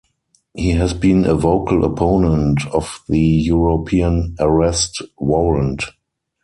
He has been a vocal opponent of the European Arrest Warrant.